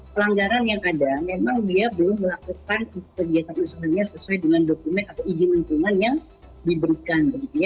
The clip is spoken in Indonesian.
pelanggaran yang ada memang dia belum melakukan kegiatan usahanya sesuai dengan dokumen atau izin lingkungan yang diberikan